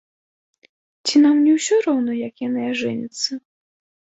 Ці нам не ўсё роўна, як яны ажэняцца?